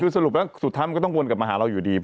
คือสรุปแล้วสุดท้ายมันก็ต้องวนกลับมาหาเราอยู่ดี